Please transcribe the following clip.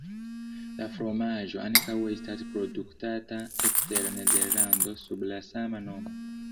La fromaĝo ankaŭ estas produktata ekster Nederlando sub la sama nomo.